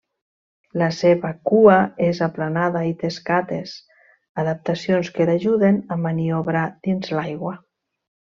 La seva cua és aplanada i té escates, adaptacions que l'ajuden a maniobrar dins l'aigua.